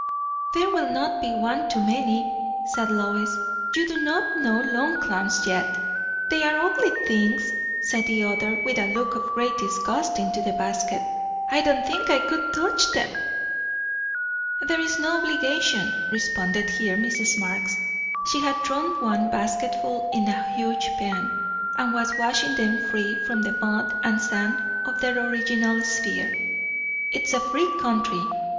"There will not be one too many," said Lois. "You do not know long clams yet." "They are ugly things!" said the other, with a look of great disgust into the basket. "I don't think I could touch them." "There's no obligation," responded here Mrs. Marx. She had thrown one basketful into a huge pan, and was washing them free from the mud and sand of their original sphere. "It's a free country.